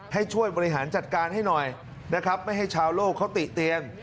ให้ช่วยบริหารจัดการให้หน่อยนะครับไม่ให้ชาวโลกเขาติเตียน